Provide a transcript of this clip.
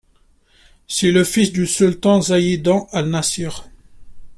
C'est le fils du sultan Zaidan el-Nasir.